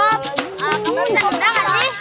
aduh sob kamu bisa nendang gak sih